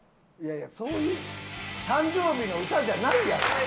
いやいやそういう誕生日の歌じゃないやろ。